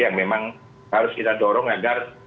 yang memang harus kita dorong agar